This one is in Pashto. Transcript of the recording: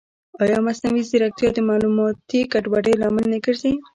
ایا مصنوعي ځیرکتیا د معلوماتي ګډوډۍ لامل نه ګرځي؟